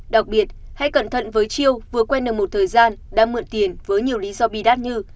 đặc biệt hãy cẩn thận với chiêu vừa quen được một thời gian đã mượn tiền với nhiều lý do bi đắt như